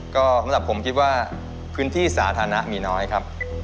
ก็สำหรับผมคิดว่าพื้นที่สาธารณะมีน้อยครับ